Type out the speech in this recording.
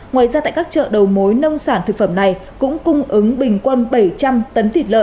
ngoài ra tại các chợ đầu mối nông sản thực phẩm này cũng cung ứng bình quân bảy trăm linh tấn thịt lợn